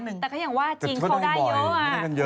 แต่เขาอย่างว่าจีนก็ได้เยอะ